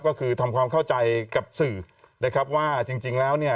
ก็คือทำความเข้าใจกับสื่อนะครับว่าจริงแล้วเนี่ย